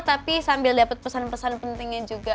tapi sambil dapet pesan pesan pentingnya juga